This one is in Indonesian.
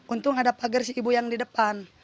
untung ada pagar si ibu yang di depan